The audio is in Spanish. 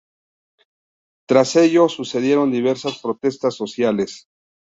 Tras ello sucedieron diversas protestas sociales.